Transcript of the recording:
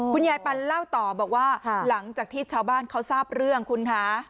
ปันเล่าต่อบอกว่าหลังจากที่ชาวบ้านเขาทราบเรื่องคุณคะ